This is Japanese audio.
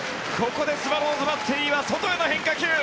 ここでスワローズバッテリーは外への変化球。